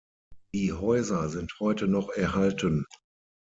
Die Häuser sind heute noch erhalten.